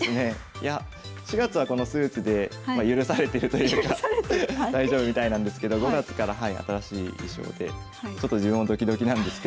いや４月はこのスーツで許されてるというか大丈夫みたいなんですけど５月から新しい衣装でちょっと自分もドキドキなんですけど。